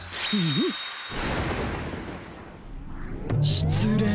しつれい！